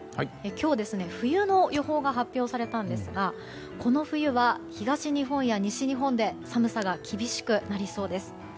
今日、冬の予報が発表されたんですがこの冬は東日本や西日本で寒さが厳しくなりそうです。